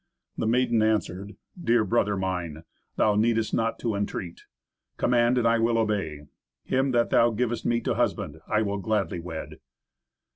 The maiden answered, "Dear brother mine, thou needest not to entreat. Command and I will obey. Him that thou givest me to husband I will gladly wed."